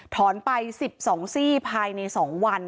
ถอนไป๑๒ซีภายใน๒วัน